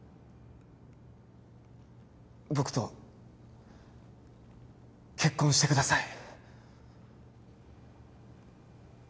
僕と結婚してください